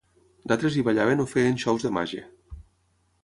D'altres hi ballaven o feien xous de màgia.